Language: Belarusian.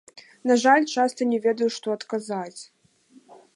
На жаль, часта не ведаю, што адказаць.